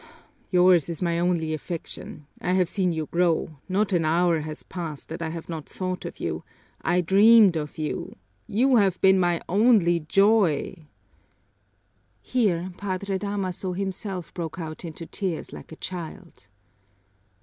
Yours is my only affection; I have seen you grow not an hour has passed that I have not thought of you I dreamed of you you have been my only joy!" Here Padre Damaso himself broke out into tears like a child.